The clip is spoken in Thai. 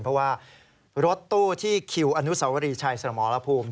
เพราะว่ารถตู้ที่คิวอนุสวรีชัยสมรภูมิ